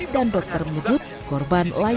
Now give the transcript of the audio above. dan dokter menyebut korban operasi